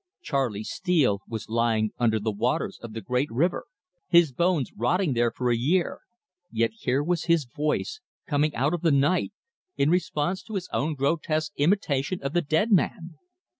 Charley Steele was lying under the waters of the great river, his bones rotting there for a year, yet here was his voice coming out of the night, in response to his own grotesque imitation of the dead man.